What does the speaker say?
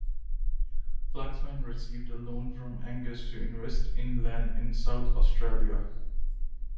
Flaxman received a loan from Angas to invest in land in South Australia.